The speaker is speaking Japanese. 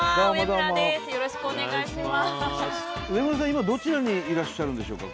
今どちらにいらっしゃるんでしょうか？